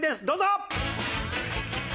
どうぞ！